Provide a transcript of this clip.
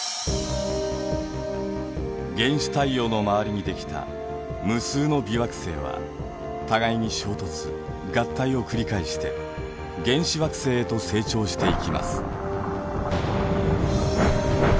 原始太陽の周りにできた無数の微惑星は互いに衝突・合体を繰り返して原始惑星へと成長していきます。